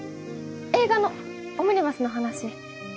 映画のオムニバスの話。